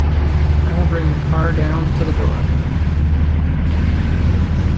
I will bring the car down to the door.